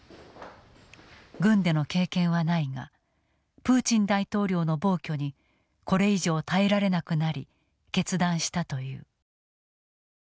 軍での経験はないがプーチン大統領の暴挙にこれ以上耐えられなくなり決断したという。